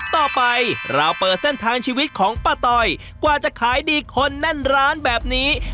ต่อไปเราเปิดเส้นทางชีวิตของป้าตอยกว่าจะขายดีคนแน่นร้านแบบนี้